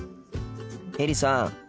エリさん